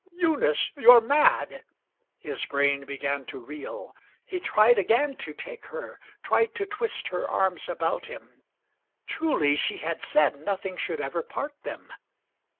"Eunice, you're mad." His brain began to reel. XXXVI He tried again to take her, tried to twist Her arms about him. Truly, she had said Nothing should ever part them.